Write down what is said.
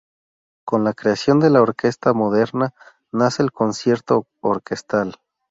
Con la creación de la orquesta moderna nace el concierto orquestal.